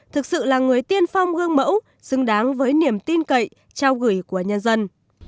thực sự là người tiên phong gương mẫu xứng đáng với niềm tin cậy trao gửi của nhân dân